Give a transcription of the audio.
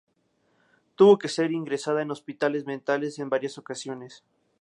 Tuvo que ser ingresada en hospitales mentales en varias ocasiones.